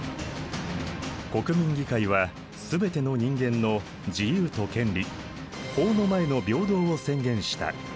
国民議会はすべての人間の自由と権利法の前の平等を宣言した。